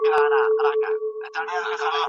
د مذکر ښکېلاک په وړاندې غلغله ویښه کړه!